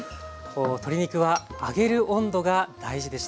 鶏肉は揚げる温度が大事でした。